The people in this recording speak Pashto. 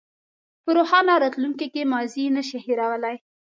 په روښانه راتلونکي کې ماضي نه شئ هېرولی.